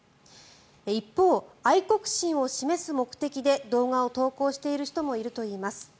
一方、愛国心を示す目的で動画を投稿している人もいるといいます。